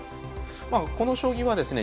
この将棋はですね